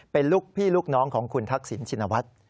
เป็นลูกพี่ลูกน้องของคุณทักษิณชินวัฒน์